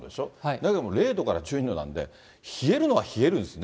名古屋も０度から１２度なんで、冷えるのは冷えるんですよね。